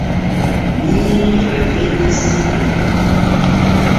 Mi revenis hejmen.